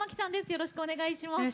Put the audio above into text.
よろしくお願いします。